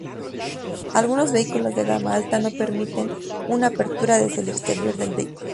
Algunos vehículos de gama alta no permiten una apertura desde el exterior del vehículo.